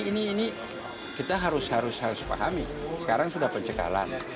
ini kita harus harus pahami sekarang sudah pencekalan